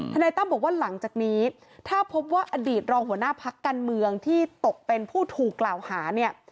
นายตั้มบอกว่าหลังจากนี้ถ้าพบว่าอดีตรองหัวหน้าพักการเมืองที่ตกเป็นผู้ถูกกล่าวหาเนี่ย